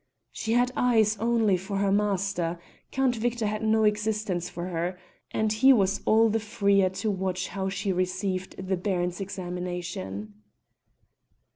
She had eyes only for her master; Count Victor had no existence for her, and he was all the freer to watch how she received the Baron's examination.